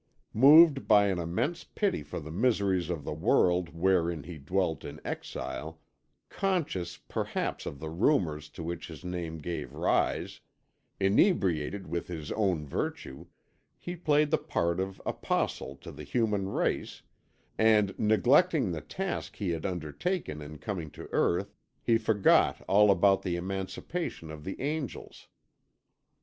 Moved by an immense pity for the miseries of the world wherein he dwelt in exile, conscious perhaps of the rumours to which his name gave rise, inebriated with his own virtue, he played the part of apostle to the Human Race, and neglecting the task he had undertaken in coming to earth, he forgot all about the emancipation of the angels.